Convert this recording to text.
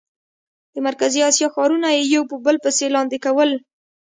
د مرکزي اسیا ښارونه یې یو په بل پسې لاندې کول.